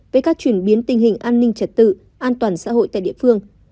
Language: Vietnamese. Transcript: về các chuyển biến tình hình an ninh trật tự an toàn xã hội tại địa phương